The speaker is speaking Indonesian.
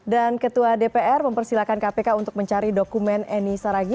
dan ketua dpr mempersilahkan kpk untuk mencari dokumen eni saragi